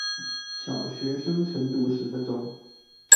小學生晨讀十分鐘